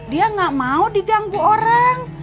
dia gak mau diganggu orang